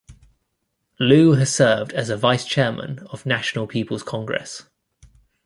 Lu has served as a Vice-chairman of National People's Congress.